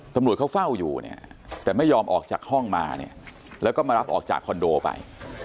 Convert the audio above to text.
ตำรวจเขาเฝ้าอยู่เนี่ยแต่ไม่ยอมออกจากห้องมาเนี่ยแล้วก็มารับออกจากคอนโดไป